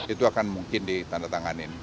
itu akan mungkin ditandatanganin